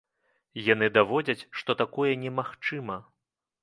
Яны даводзяць, што такое не магчыма.